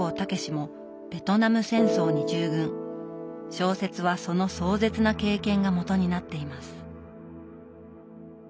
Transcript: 小説はその壮絶な経験がもとになっています。